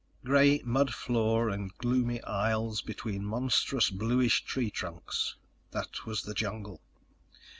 Gray mud floor and gloomy aisles between monstrous bluish tree trunks—that was the jungle.